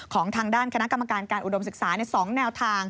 ของทางด้านคณะกรรมการการอุดมศึกษา๒แนวทาง